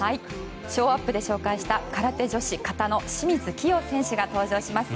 ショーアップで紹介した空手女子形の清水希容選手が登場します。